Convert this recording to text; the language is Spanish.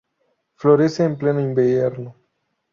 Florece en pleno invierno.